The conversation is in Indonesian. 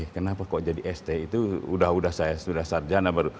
kenapa kok jadi st itu sudah saya sudah sarjana baru